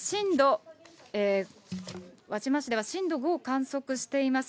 輪島市では震度５を観測しています。